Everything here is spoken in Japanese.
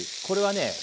これはね